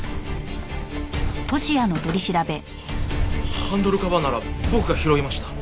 ハハンドルカバーなら僕が拾いました。